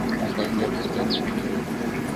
সকালে বাসায় চলে আসবো।